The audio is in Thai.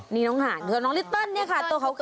นี่น้องห่านนี่คือน้องลิตเติ้ลตัวขาว